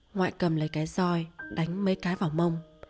ngoại cầm lấy cái roi đánh mấy cái vào mông